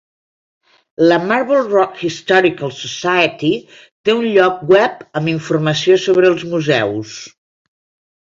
La Marble Rock Historical Society té un lloc web amb informació sobre els museus.